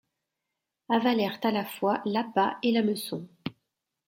avalèrent à la fois l’appât et l’hameçon.